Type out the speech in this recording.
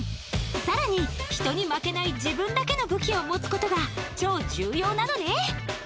更に、人に負けない自分だけの武器を持つ事が超重要なのね